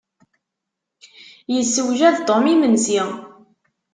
Yessewjad Tom imensi.